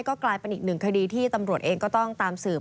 ก็กลายเป็นอีกหนึ่งคดีที่ตำรวจเองก็ต้องตามสืบ